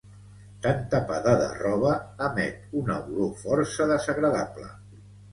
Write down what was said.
Tan tapada de roba emet una olor força desagradable.